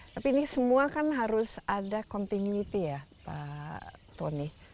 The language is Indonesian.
tapi ini semua kan harus ada continuity ya pak tony